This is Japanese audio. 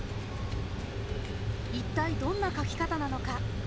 一体どんな描き方なのか。